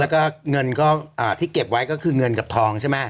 แล้วก็เงินก็ที่เก็บไว้ก็คือเงินกับทองใช่ไหม